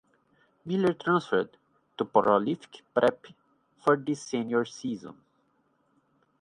Miller transferred to Prolific Prep for his senior season.